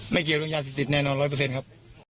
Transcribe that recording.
เกี่ยวเรื่องยาเสพติดแน่นอนร้อยเปอร์เซ็นต์ครับ